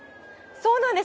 そうなんです。